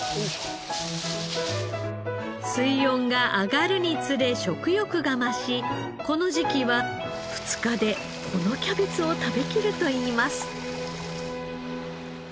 水温が上がるに連れ食欲が増しこの時期は２日でこのキャベツを食べきるといいます。